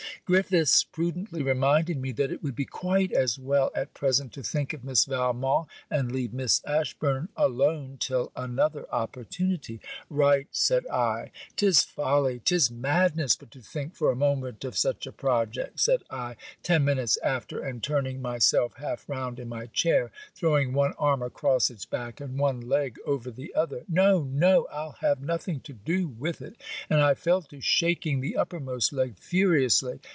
Griffiths prudently reminded me that it would be quite as well at present to think of Miss Valmont, and leave Miss Ashburn alone till another opportunity. 'Right,' said I. ''Tis folly! 'Tis madness, but to think for a moment of such a project!', said I, ten minutes after, and turning myself half round in my chair, throwing one arm across its back and one leg over the other. No! no! I'll have nothing to do with it!' and I fell to shaking the uppermost leg furiously.